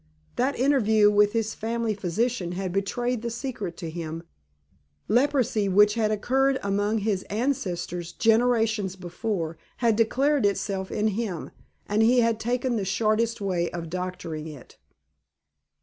"That interview with his family physician had betrayed the secret to him. Leprosy, which had occurred among his ancestors generations before, had declared itself in him, and he had taken the shortest way of doctoring it."